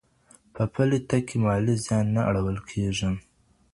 په پلي تګ کي مالي زیان نه اړول کېږي.